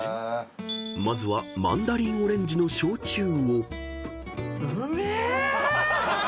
［まずはマンダリンオレンジの焼酎を］うめえ！